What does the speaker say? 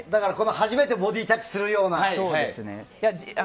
初めてボディータッチするような。